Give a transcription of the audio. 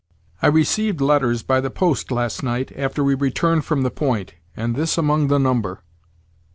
I received letters by the post last night, after we returned from the point, and this among the number."